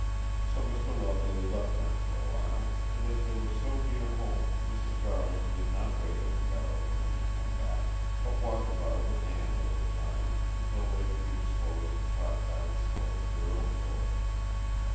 So Mr. Loveday left them for awhile; and as they were so near home Mrs. Garland did not wait on the barrow for him to come back, but walked about with Anne a little time, until they should be disposed to trot down the slope to their own door.